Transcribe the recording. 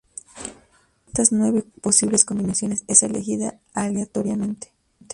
Una de estas nueve posibles combinaciones es elegida aleatoriamente.